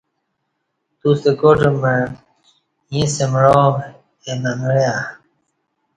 توستہ کا ٹ مع ییں سمعا اے ننوعݩہ